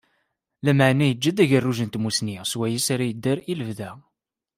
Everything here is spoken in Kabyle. Lameεna yeǧǧa-d agerruj n tmussni, swayes ara yedder i lebda.